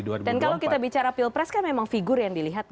dan kalau kita bicara pilpres kan memang figur yang dilihat kan